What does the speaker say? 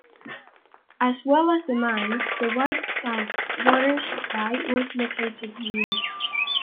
As well as the mines, the White Tank water supply was located here.